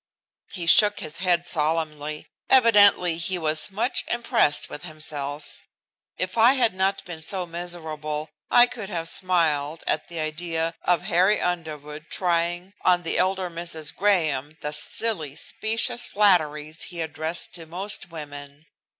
He shook his head solemnly. Evidently he was much impressed with himself. If I had not been so miserable I could have smiled at the idea of Harry Underwood trying on the elder Mrs. Graham the silly specious flatteries he addressed to most women.